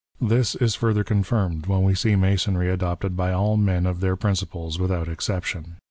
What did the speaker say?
This is further confirmed when we see Masonry adopted by all men of their principles without exception.